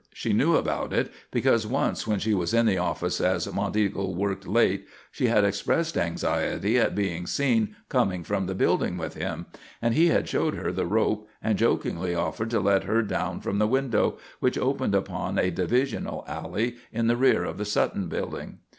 She knew about it, because once when she was in the office as Monteagle worked late she had expressed anxiety at being seen coming from the building with him, and he had showed her the rope and jokingly offered to let her down from the window, which opened upon a divisional alley in the rear of the Sutton building.